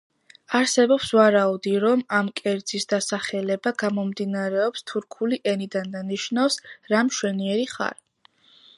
არსებობს ვარაუდი, რომ ამ კერძის დასახელება გამომდინარეობს თურქული ენიდან და ნიშნავს „რა მშვენიერი ხარ“.